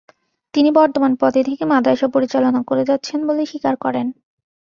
তিনি বর্তমান পদে থেকে মাদ্রাসা পরিচালনা করে যাচ্ছেন বলে স্বীকার করেন।